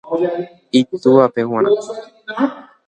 Itúvape g̃uarã